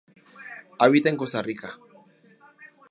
Habita en Costa Rica.